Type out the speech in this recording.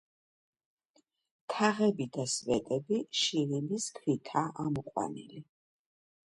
თაღები და სვეტები შირიმის ქვითაა ამოყვანილი.